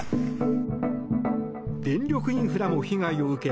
電力インフラも被害を受け